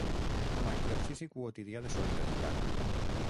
Com a exercici quotidià de solidaritat.